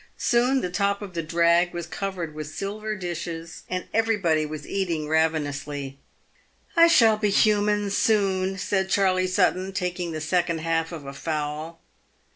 Soon the top of the drag was covered with silver dishes, and everybody was eating ravenously. " I shall be human soon," said Charley Sutton, taking the second half of a fowl.